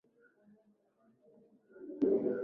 wa uamuzi wa serikali na tabia isiyo ya urafiki